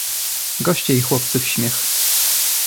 "Goście i chłopcy w śmiech."